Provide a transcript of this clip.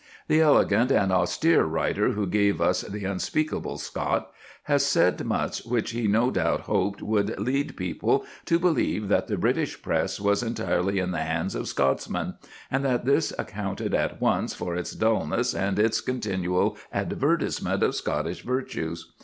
The elegant and austere writer who gave us The Unspeakable Scot has said much which he no doubt hoped would lead people to believe that the British Press was entirely in the hands of Scotsmen, and that this accounted at once for its dulness and its continual advertisement of Scottish virtues.